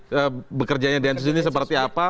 kita lihat bekerjanya densus ini seperti apa